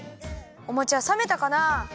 おもちはさめたかなあ？